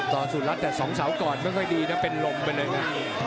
ตอนสุดล่ะแต่สองเสาร์ก่อนไม่ค่อยดีนะเป็นลมไปเลยนะ